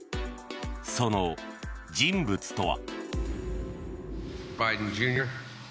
その人物とは。